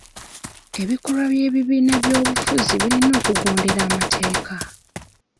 Ebikolwa by'ebibiina by'obufuzi birina okugondera amateeka.